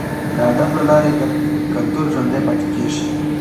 د ادب له لارې کلتور ژوندی پاتې کیږي.